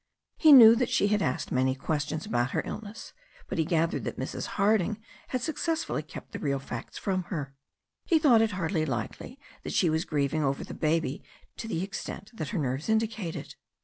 He knew that she had asked many questions about her illness, but he gathered that Mrs. Harding had success fully kept the real facts from her. He thought it hardly likely that she was grieving over the baby to the extent that her nerves indicated.